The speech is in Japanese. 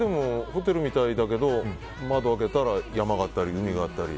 ホテルみたいだけど窓を開けたら山があったり、海があったり。